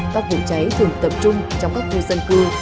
các vụ cháy thường tập trung trong các khu dân cư